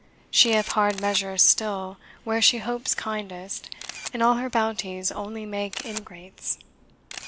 She hath hard measure still where she hopes kindest, And all her bounties only make ingrates.